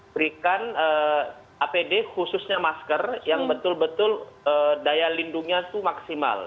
berikan apd khususnya masker yang betul betul daya lindungnya itu maksimal